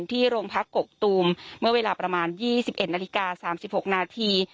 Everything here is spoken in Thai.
ที่โรงพักกกตูมเมื่อเวลาประมาณ๒๑นาฬิกา๓๖นาที